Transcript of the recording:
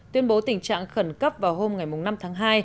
tuyên bố tình trạng khẩn cấp vào hôm năm tháng hai